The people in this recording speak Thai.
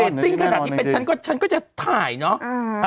เรตติ้งขนาดนี้ฉันก็จะถ่ายเนอะ